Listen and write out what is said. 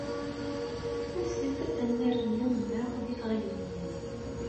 As-d ad nerr iman-nneɣ d ifɣagniyen.